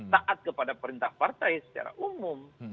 taat kepada perintah partai secara umum